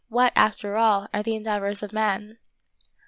what, after all, are the endeavors of men